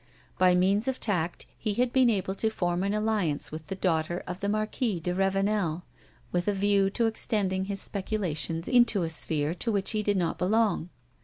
By means of tact he had been able to form an alliance with the daughter of the Marquis de Ravenel with a view to extending his speculations into a sphere to which he did not belong.